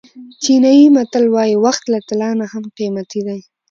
چینایي متل وایي وخت له طلا نه هم قیمتي دی.